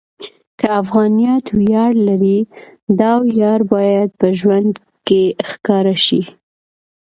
که افغانیت ویاړ لري، دا ویاړ باید په ژوند کې ښکاره شي.